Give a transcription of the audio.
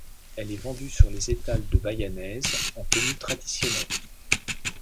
Elle est vendue sur les étals de baianaises en tenue traditionnelle.